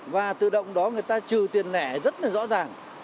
và tự động đó người ta trừ tiền lẻ rất là rõ ràng